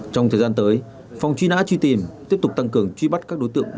trong thời gian tới phòng truy nã truy tìm tiếp tục tăng cường truy bắt các đối tượng